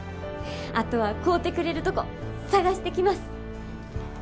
あとは買うてくれるとこ探してきます。